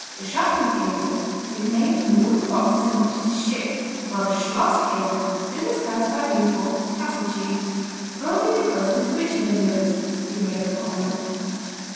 The Schachtelkäse is named from the wooden boxes in which it is shipped, while the Schlosskäse shows its class by being called Castle Cheese, probably because it is richer than the others, being made of whole milk.